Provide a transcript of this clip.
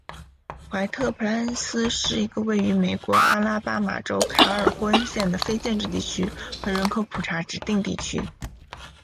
怀特普莱恩斯是一个位于美国阿拉巴马州卡尔霍恩县的非建制地区和人口普查指定地区。